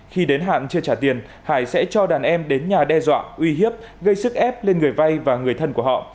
khi đến hạn chưa trả tiền hải sẽ cho đàn em đến nhà đe dọa uy hiếp gây sức ép lên người vay và người thân của họ